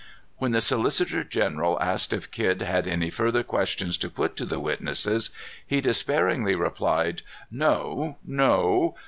When the solicitor general asked if Kidd had any further questions to put to the witnesses, he despairingly replied: "No! no.